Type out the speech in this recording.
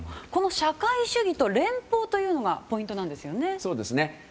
この社会主義と連邦というのがポイントなんですよね。